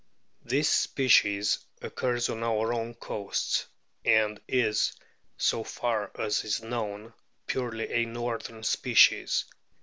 This species occurs on our own coasts, and is, so far as is known, purely a northern species.